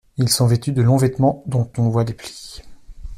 Ils sont vêtus de longs vêtements dont on voit les plis.